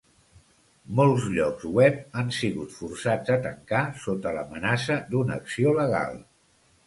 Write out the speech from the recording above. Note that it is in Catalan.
Molts llocs web han sigut forçats a tancar sota l'amenaça d'una acció legal.